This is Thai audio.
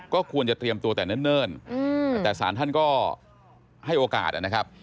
ก็ควรจะเตรียมตัวแต่เนิ่นแต่สารท่านก็ให้โอกาสนะครับ